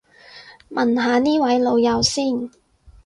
問下呢位老友先